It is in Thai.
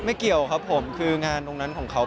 เกี่ยวครับผมคืองานตรงนั้นของเขา